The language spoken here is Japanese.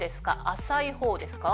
浅いほうですか？